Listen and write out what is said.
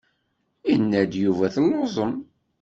Yenna-d Yuba telluẓem.